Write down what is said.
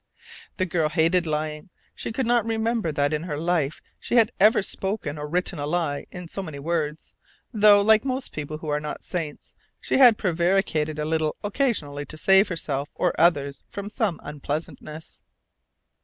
The girl hated lying. She could not remember that in her life she had ever spoken or written a lie in so many words, though, like most people who are not saints, she had prevaricated a little occasionally to save herself or others from some unpleasantness.